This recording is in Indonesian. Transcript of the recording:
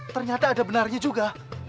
ternyata ada benarnya juga